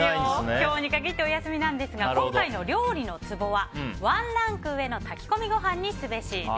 今日に限ってお休みなんですが今回の料理のツボはワンランク上の炊き込みご飯にすべしです。